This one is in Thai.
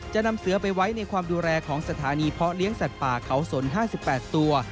จะนำเสือไปไว้ในความดูแลของสถานีเพาะเลี้ยงสัตว์ป่าเขาสน๕๘ตัว